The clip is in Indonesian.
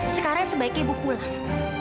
sekarang sebaik ibu pulang